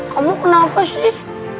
kamu kenapa sih